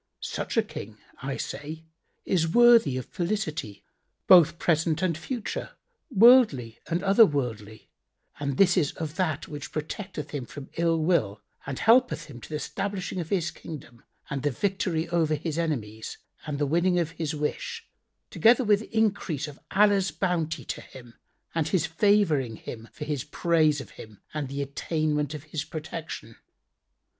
Such a King, I say, is worthy of felicity both present and future worldly and other worldly, and this is of that which protecteth him from ill will and helpeth him to the stablishing of his Kingdom and the victory over his enemies and the winning of his wish, together with increase of Allah's bounty to him and His favouring him for his praise of Him and the attainment of His protection.